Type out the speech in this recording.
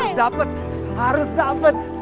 harus dapet harus dapet